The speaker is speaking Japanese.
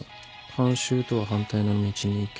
慣習とは反対の道に行け。